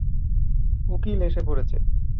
উকিল এসে পড়েছে।